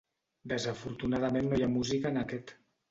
Desafortunadament no hi ha música en aquest.